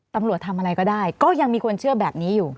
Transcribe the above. ตำรวจทำอะไรก็ได้ก็ยังมีคนเชื่อแบบนี้อยู่